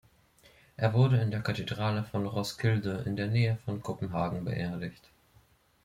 Er wurde in der Kathedrale von Roskilde in der Nähe von Kopenhagen beerdigt.